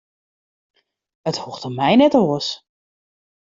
It hoecht om my net oars.